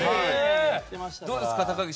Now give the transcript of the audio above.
どうですか、高岸